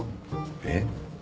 えっ？